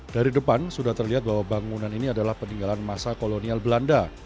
dari depan sudah terlihat bahwa bangunan ini adalah peninggalan masa kolonial belanda